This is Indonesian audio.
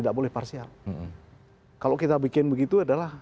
kalau kita bikin begitu adalah